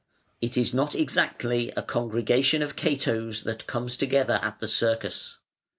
It is not exactly a congregation of Catos that comes together at the Circus.